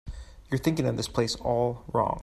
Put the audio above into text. You're thinking of this place all wrong.